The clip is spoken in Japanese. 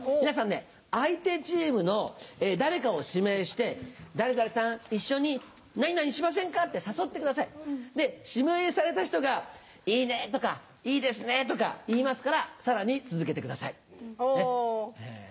皆さんね相手チームの誰かを指名して「誰々さん一緒に何々しませんか？」って誘ってくださいで指名された人が「いいね」とか「いいですね」とか言いますからさらに続けてください。